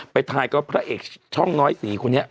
ทายกับพระเอกช่องน้อยสีคนนี้